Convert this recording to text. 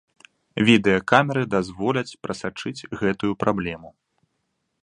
Відэакамеры дазволяць прасачыць гэтую праблему.